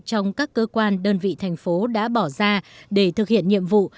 trong các cơ quan đơn vị thành phố đã bỏ ra để thực hiện nhiệm vụ